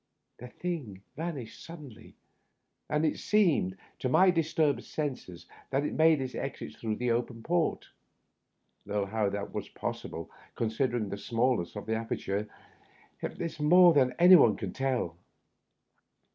The thing vanished suddenly, and it seemed to my disturbed senses that it made its exit through the open port ; though how that was possible, considering the smallness of the aperture, is more than any one can tell.